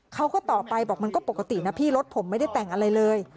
เขาก็ตอบไปบอกมันก็ปกตินะพี่รถผมไม่ได้แต่งอะไรเลย